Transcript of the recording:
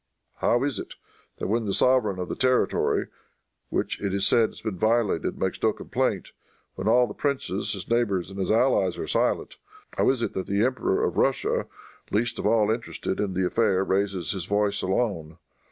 How is it, that when the sovereign of the territory, which it is said has been violated, makes no complaint; when all the princes, his neighbors and his allies, are silent how is it that the Emperor of Russia, least of all interested in the affair, raises his voice alone?